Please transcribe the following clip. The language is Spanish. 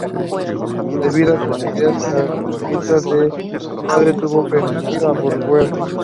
Debido a sus ideas carlistas, su padre tuvo que emigrar a Burdeos.